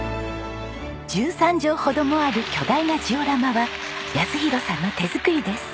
１３畳ほどもある巨大なジオラマは泰弘さんの手作りです。